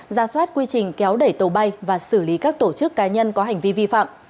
ra soát quy trình kéo đẩy tàu bay và xử lý các tổ chức cá nhân có hành vi vi phạm